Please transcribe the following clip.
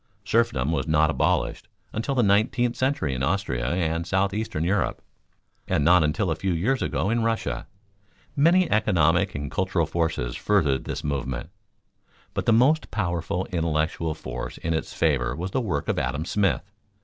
Serfdom was not abolished until the nineteenth century in Austria and southeastern Europe, and not until a few years ago in Russia. Many economic and cultural forces furthered this movement, but the most powerful intellectual force in its favor was the work of Adam Smith.